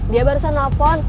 dia barusan nelfon